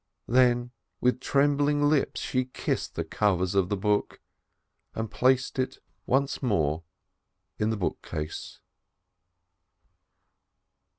Then with trembling lips she kissed the covers of the book, and placed it once more in the bookcase.